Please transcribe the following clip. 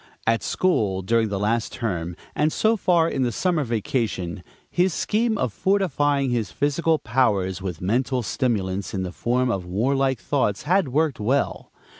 At school, during the last term, and so far in the summer vacation, his scheme of fortifying his physical powers with mental stimulants in the form of warlike "thoughts" had worked well.